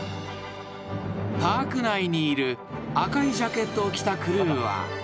［パーク内にいる赤いジャケットを着たクルーは］